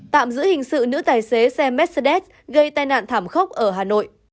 tạm giữ hình sự nữ tài xế xe mercedes gây tai nạn thảm khốc ở hà nội